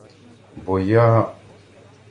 — Бо я...